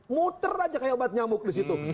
muter aja kayak obat nyamuk disitu